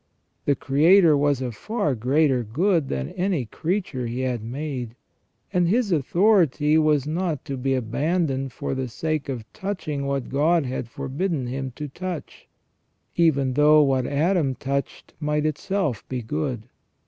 The Creator was a far greater good than any creature He had made, and His authority was not to be abandoned for the sake of touching what God had forbidden him to touch, even though what Adam touched might itself be good.